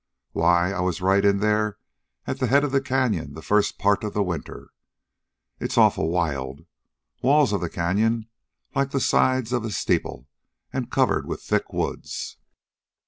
Why, I was right in there at the head of the canyon the first part of the winter. It's awful wild. Walls of the canyon like the sides of a steeple an' covered with thick woods."